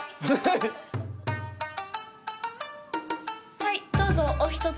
「はいどうぞおひとつ」。